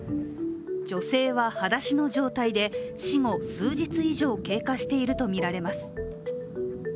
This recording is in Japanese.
女性ははだしの状態で、死後数日以上経過しているものとみられます。